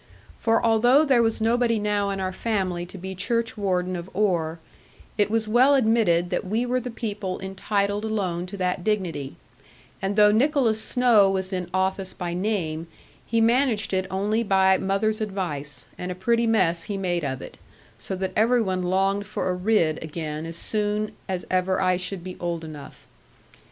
For although there was nobody now in our family to be churchwarden of Oare, it was well admitted that we were the people entitled alone to that dignity; and though Nicholas Snowe was in office by name, he managed it only by mother's advice; and a pretty mess he made of it, so that every one longed for a Ridd again, soon as ever I should be old enough.